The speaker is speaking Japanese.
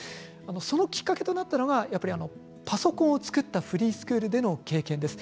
その、きっかけとなったのはパソコンを作ったフリースクールでの経験です。